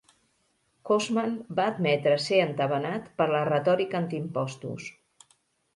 Koosman va admetre ser "entabanat" per la retòrica antiimpostos.